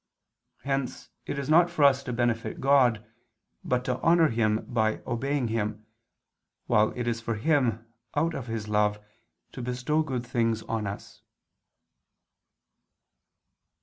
Hence it is not for us to benefit God, but to honor Him by obeying Him, while it is for Him, out of His love, to bestow good things on us.